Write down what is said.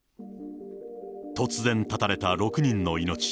突然絶たれた６人の命。